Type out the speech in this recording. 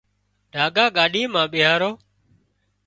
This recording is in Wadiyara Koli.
ڍاڳا ڳاڏي مان ٻيهاريو